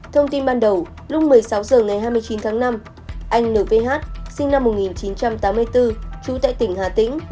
thông tin ban đầu lúc một mươi sáu h ngày hai mươi chín tháng năm anh nth sinh năm một nghìn chín trăm tám mươi bốn trú tại tỉnh hà tĩnh